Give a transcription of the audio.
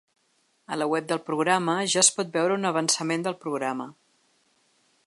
A la web del programa ja es pot veure un avançament del programa.